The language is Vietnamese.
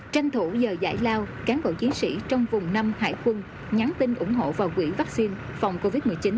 tranh thủ giờ giải lao cán bộ chiến sĩ trong vùng năm hải quân nhắn tin ủng hộ vào quỹ vaccine phòng covid một mươi chín